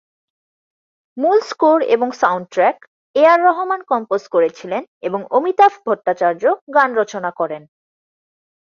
মূল স্কোর এবং soundtrack A R Rahman compose করেছিলেন এবং অমিতাভ ভট্টাচার্য গান রচনা করেন।